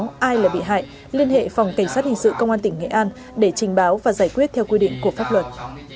ai là bị hại liên hệ phòng cảnh sát hình sự công an tỉnh nghệ an để trình báo và giải quyết theo quy định của pháp luật